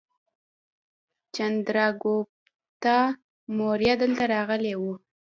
چندراګوپتا موریه دلته راغلی و